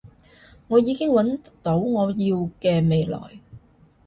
我已經搵到我想要嘅未來